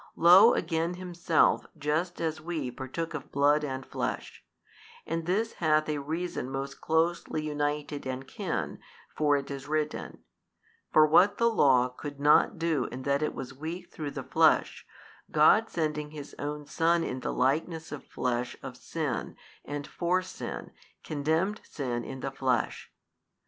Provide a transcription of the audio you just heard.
Lo again Himself just as |200 we partook of blood and flesh; and this hath a reason most closely united and kin, for it is written, For what the Law could not do in that it was weak through the flesh, God sending His own Son in the likeness of flesh of sin and for sin condemned sin in the flesh.